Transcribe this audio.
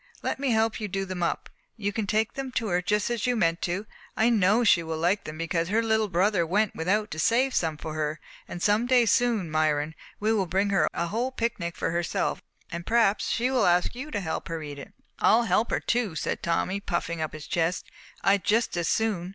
Let me help you do them up. You can take them to her just as you meant to, and I know she will like them because her little brother went without to save some for her. And some day soon, Myron, we will bring her a whole picnic for herself, and perhaps she will ask you to help her eat it." "I'll help her too," said Tommy, puffing up his chest. "I'd just as soon!"